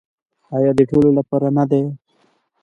آیا د ټولو لپاره نه دی؟